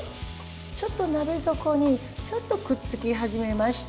ちょっと鍋底にちょっとくっつき始めました。